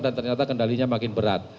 dan ternyata kendalinya makin berat